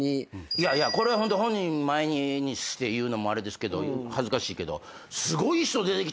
いやいやこれはホント本人前にして言うのも恥ずかしいけど。